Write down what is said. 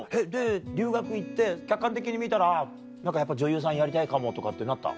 留学行って客観的に見たら何かやっぱ女優さんやりたいかもとかってなった？